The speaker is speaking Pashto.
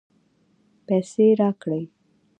پیسې راکړې.